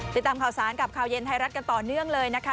ติดตามข่าวสารกับข่าวเย็นไทยรัฐกันต่อเนื่องเลยนะคะ